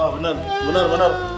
benar benar benar